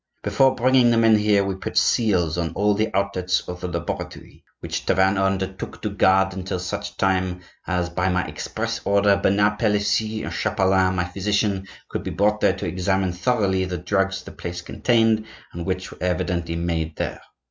Before bringing the men here we put seals on all the outlets of the laboratory, which Tavannes undertook to guard until such time as, by my express orders, Bernard Palissy, and Chapelain, my physician, could be brought there to examine thoroughly the drugs the place contained and which were evidently made there.